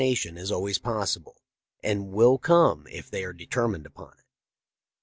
tion is always possible, and will come if they are determined upon it.'